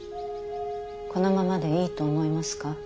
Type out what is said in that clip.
このままでいいと思いますか？